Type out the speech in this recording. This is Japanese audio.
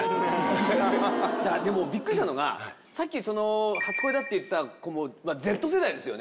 でもビックリしたのがさっき初恋だって言ってた子はＺ世代ですよね？